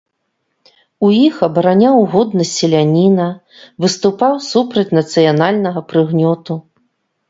У іх абараняў годнасць селяніна, выступаў супраць нацыянальнага прыгнёту.